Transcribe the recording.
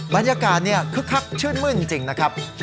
บรรยากาศคึกคักชื่นมื้นจริงนะครับ